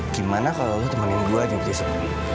gimana kalau lu temanin gue jemput yusuf